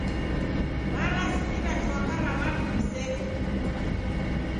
Warasikira chwaka ra w'andu w'iseko.